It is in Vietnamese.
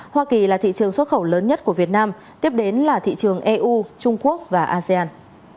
hoa kỳ là thị trường xuất khẩu lớn nhất của việt nam tiếp đến là thị trường eu trung quốc và asean